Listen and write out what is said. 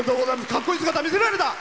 かっこいい姿、見せられた。